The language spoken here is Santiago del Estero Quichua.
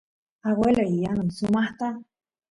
aguelay yanuy sumaqta